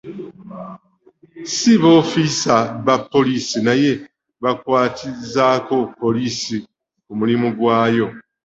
Ssi b’ofiisa ba poliisi naye bakwatizaako poliisi ku mulimu gwaayo.